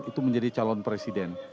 itu menjadi calon presiden